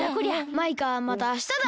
マイカまたあしただ。